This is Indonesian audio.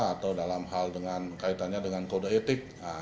atau dalam hal dengan kaitannya dengan kode etik